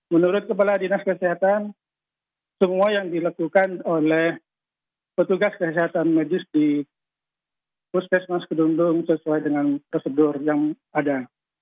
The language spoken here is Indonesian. menurut kepala dinas kesehatan semua yang dilakukan oleh petugas kesehatan medis di puskesmas kedundung sesuai dengan prosedur yang ada